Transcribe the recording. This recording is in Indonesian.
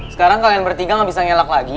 sekarang kalian bertiga gak bisa ngelak lagi